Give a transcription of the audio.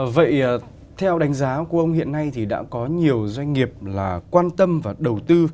vậy theo đánh giá của ông hiện nay thì đã có nhiều doanh nghiệp là quan tâm và đầu tư